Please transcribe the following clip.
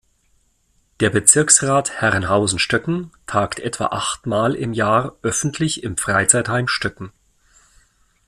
Der Bezirksrat Herrenhausen-Stöcken tagt etwa achtmal im Jahr öffentlich im Freizeitheim Stöcken.